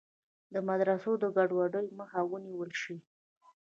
د مدرسو د ګډوډیو مخه ونیول شي.